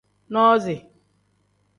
Nozi.